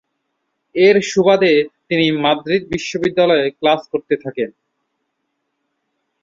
এর সুবাদে তিনি মাদ্রিদ বিশ্ববিদ্যালয়ে ক্লাস করতে থাকেন।